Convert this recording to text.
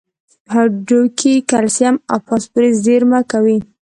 هډوکي کلسیم او فاسفورس زیرمه کوي.